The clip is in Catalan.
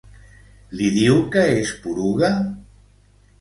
Li diu que és poruga?